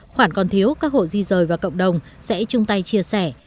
khoản còn thiếu các hộ di rời và cộng đồng sẽ chung tay chia sẻ